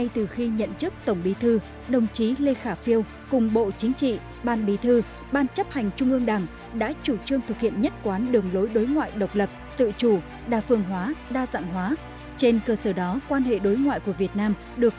tổng bí thư đảng cộng sản việt nam